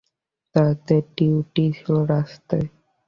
তাদের ডিউটি ছিল রাস্তায়।